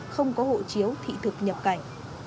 không có hộ chiếu thị thực nhập cảnh